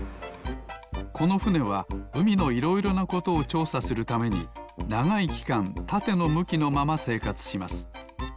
このふねはうみのいろいろなことをちょうさするためにながいきかんたてのむきのまませいかつします。